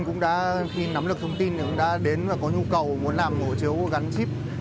cũng đã khi nắm được thông tin thì cũng đã đến và có nhu cầu muốn làm hộ chiếu gắn chip